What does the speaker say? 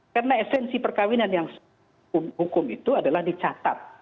karena esensi perkawinan yang hukum itu adalah dicatat